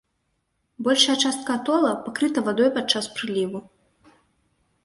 Большая частка атола пакрыта вадой падчас прыліву.